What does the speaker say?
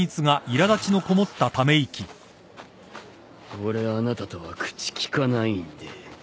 俺あなたとは口利かないんで。